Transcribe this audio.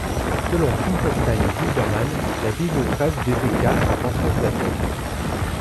Selon Finkelstein et Silbermann, la Bible dresse d'Ézéchias un portrait flatteur.